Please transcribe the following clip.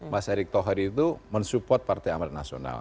mas erik thohir itu mensupport partai amanat nasional